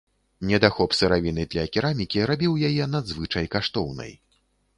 Недахоп сыравіны для керамікі рабіў яе надзвычай каштоўнай.